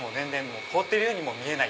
凍ってるようにも見えない。